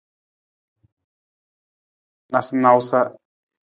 Nawusanawusa.